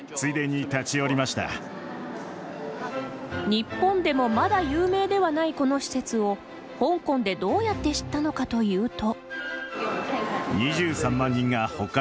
日本でもまだ有名ではないこの施設を香港でどうやって知ったのかというと。